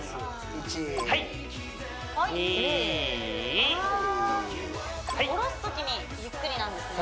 １はい２あ下ろすときにゆっくりなんですね